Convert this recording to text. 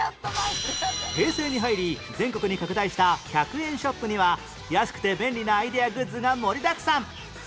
平成に入り全国に拡大した１００円ショップには安くて便利なアイデアグッズが盛りだくさん